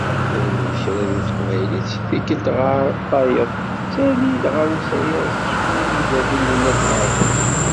Telmed kra deg Teqbaylit, seg tikkelt ɣer tayeḍ, tettali-d ɣer usayes, tcennu tizlatin n Lwennas Meɛtub.